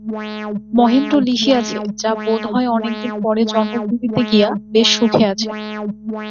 মহেন্দ্র লিখিয়াছে, মা বোধ হয় অনেক দিন পরে জন্মভূমিতে গিয়া বেশ সুখে আছেন।